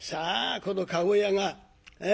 この駕籠屋が「え？